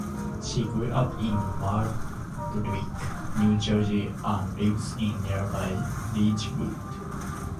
She grew up in Waldwick, New Jersey and lives in nearby Ridgewood.